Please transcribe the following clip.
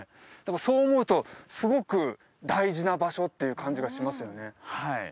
そう思うとすごく大事な場所っていう感じがしますよね